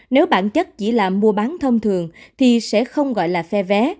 nếu bản chất chỉ là mua bán thông thường thì sẽ không gọi là phe vé